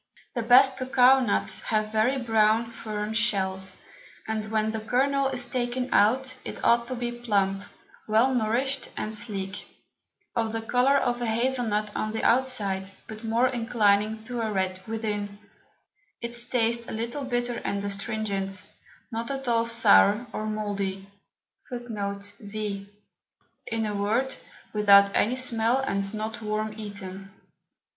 The best Cocao Nuts have very brown firm Shells, and when the Kernel is taken out, it ought to be plump, well nourish'd, and sleek; of the Colour of a Hazle Nut on the outside, but more inclining to a Red within; its Taste a little bitter and astringent, not at all sour or mouldy[z]. In a word, without any Smell, and not worm eaten.